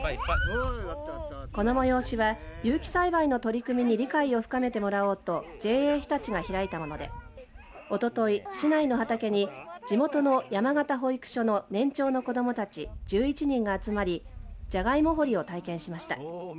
この催しは有機栽培の取り組みに理解を深めてもらおうとＪＡ常陸が開いたものでおととい市内の畑に地元の山方保育所の年長の子どもたち１１人が集まりジャガイモ掘りを体験しました。